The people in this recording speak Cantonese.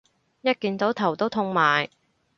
一見到頭都痛埋